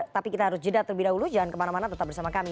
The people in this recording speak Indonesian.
tapi kita harus jeda terlebih dahulu jangan kemana mana tetap bersama kami